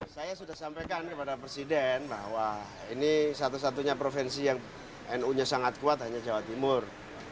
saya sudah sampaikan kepada presiden bahwa ini satu satunya provinsi yang nu nya sangat kuat hanya jawa timur